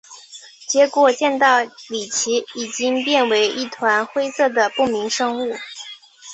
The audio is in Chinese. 结果见到李奇已经变为一团灰色的不明生物。